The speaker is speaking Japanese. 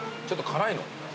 ちょっと辛いの？